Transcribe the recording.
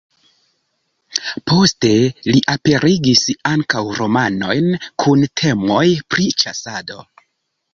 Poste li aperigis ankaŭ romanojn kun temoj pri ĉasado.